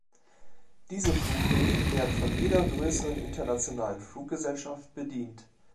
Diese Flughäfen werden von jeder größeren internationalen Fluggesellschaft bedient.